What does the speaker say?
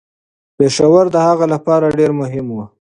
پېښور د هغه لپاره ډیر مهم و.